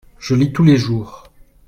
je lis tous les jours.